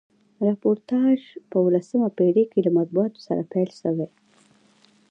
راپورتاژپه اوولسمه پیړۍ کښي له مطبوعاتو سره پیل سوی.